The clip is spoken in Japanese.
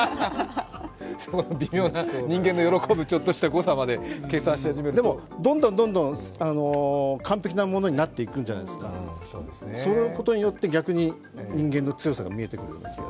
微妙な人間の喜ぶちょっとした誤差まで計算し始めるとでもどんどん完璧なものになっていくんじゃないですか、そういうことによって逆に人間の強さが見えてくると。